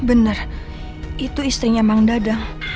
benar itu istrinya mang dadang